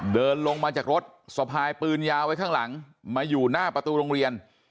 เดินลงมาจากรถสะพายปืนยาวไว้ข้างหลังมาอยู่หน้าประตูโรงเรียน